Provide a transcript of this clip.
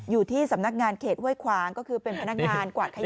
อยู่ที่สำนักงานเขตห้วยขวางก็คือเป็นพนักงานกวาดขยะ